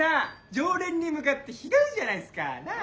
常連に向かってひどいじゃないっすかなぁ？